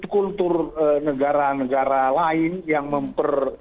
kulturnegara negara lain yang memper